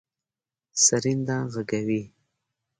سرېنده غږوي.